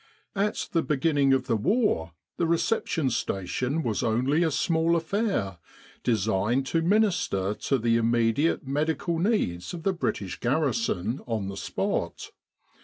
At the beginning of the war the Reception Station was only a small affair designed to minister to the immediate medical needs of the British garrison on the spot.